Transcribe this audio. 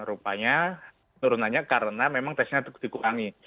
rupanya penurunannya karena memang testnya dikurangi